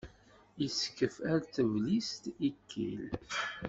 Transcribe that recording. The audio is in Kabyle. Iskef ar teblist ikkil.